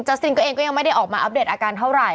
ซินก็เองก็ยังไม่ได้ออกมาอัปเดตอาการเท่าไหร่